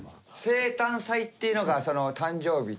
生誕祭っていうのがその誕生日。